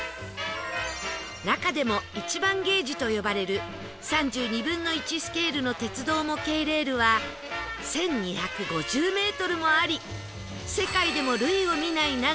中でも１番ゲージと呼ばれる３２分の１スケールの鉄道模型レールは１２５０メートルもあり